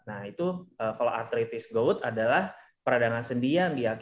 nah itu kalau artritis good adalah peradangan sendi yang diakini